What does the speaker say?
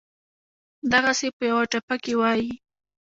دغسې پۀ يوه ټپه کښې وائي: